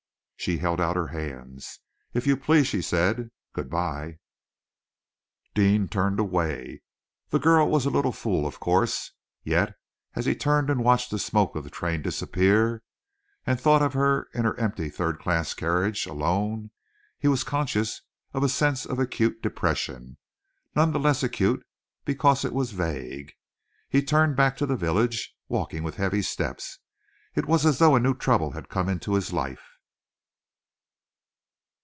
She held out her hands. "If you please!" she said. "Good bye!" Deane turned away. The girl was a little fool, of course. Yet as he turned and watched the smoke of the train disappear, and thought of her in her empty third class carriage, alone, he was conscious of a sense of acute depression none the less acute because it was vague. He turned back to the village, walking with heavy steps. It was as though a new trouble had come into his life.